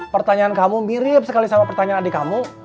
pertanyaan kamu mirip sekali sama pertanyaan adik kamu